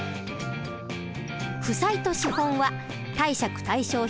負債と資本は貸借対照表の貸方